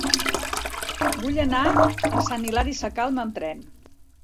Vull anar a Sant Hilari Sacalm amb tren.